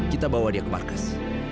kita bawa dia ke markas